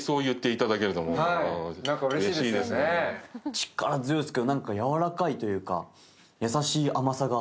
力強いですけど、なんかやわらかいというか、優しい甘さが。